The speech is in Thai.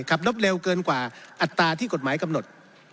ขับรถเร็วเกินกว่าอัตราที่กฎหมายกำหนด